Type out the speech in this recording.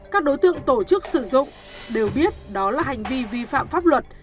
các đối tượng tổ chức sử dụng đều biết đó là hành vi vi phạm pháp luật